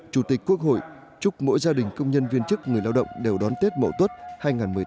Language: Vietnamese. chủ tịch quốc hội chúc mỗi gia đình công nhân viên chức người lao động đều đón tết mậu tuất hai nghìn một mươi tám ấm áp đoàn viên xung họp